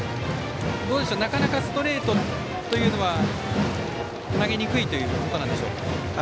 なかなかストレートというのは投げにくいということなんでしょうか。